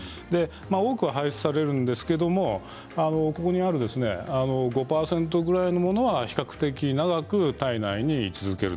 多くは排出されるんですけどここにある５％ぐらいのものは比較的長く体内に居続ける。